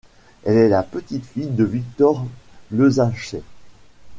Elle est la petite-fille de Victor Lesaché.